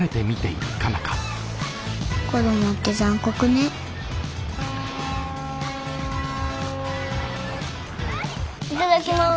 いただきます！